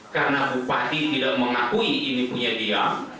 karena bupati tidak mengakui ini punya dia